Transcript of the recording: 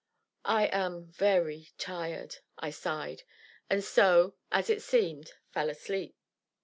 "I am very tired!" I sighed, and so, as it seemed, fell asleep.